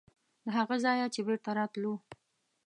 د هغه ځایه چې بېرته راتلو.